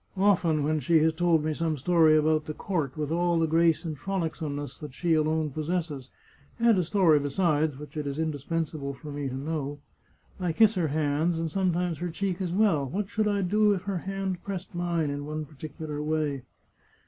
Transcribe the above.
Often, when she has told me some story about the court, with all the grace and frolicsomeness that she alone pos sesses— ^and a story, besides, which it is indispensable for me to know — I kiss her hands and sometimes her cheek as well. What should I do if her hand pressed mine in one particu lar way